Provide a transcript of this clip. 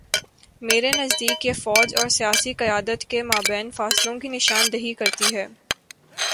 میرے نزدیک یہ فوج اور سیاسی قیادت کے مابین فاصلوں کی نشان دہی کرتی ہے۔